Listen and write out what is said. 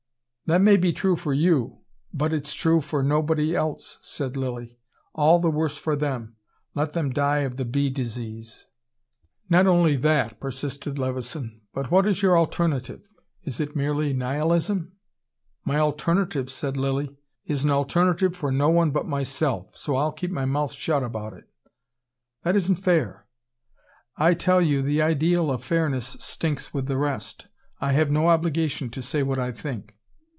"That may be true for you " "But it's true for nobody else," said Lilly. "All the worse for them. Let them die of the bee disease." "Not only that," persisted Levison, "but what is your alternative? Is it merely nihilism?" "My alternative," said Lilly, "is an alternative for no one but myself, so I'll keep my mouth shut about it." "That isn't fair." "I tell you, the ideal of fairness stinks with the rest. I have no obligation to say what I think."